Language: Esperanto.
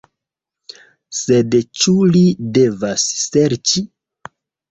Sed ĉu li devas serĉi?